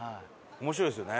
面白いですよね。